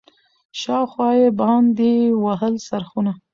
شاوخوا یې باندي ووهل څرخونه